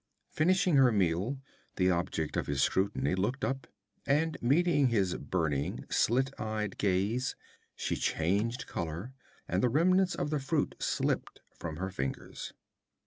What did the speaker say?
Finishing her meal, the object of his scrutiny looked up, and meeting his burning, slit eyed gaze, she changed color and the remnants of the fruit slipped from her fingers.